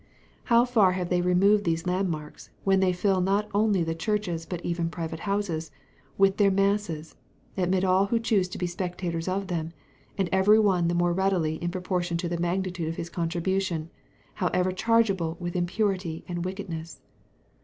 How far have they removed these landmarks, when they fill not only the churches, but even private houses, with their masses, admit all who choose to be spectators of them, and every one the more readily in proportion to the magnitude of his contribution, however chargeable with impurity and wickedness!